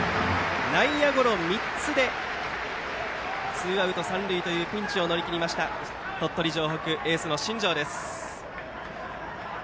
内野ゴロ３つでツーアウト、三塁というピンチを乗り切りました鳥取城北エースの新庄です。